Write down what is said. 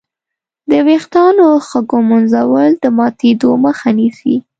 د وېښتانو ښه ږمنځول د ماتېدو مخه نیسي.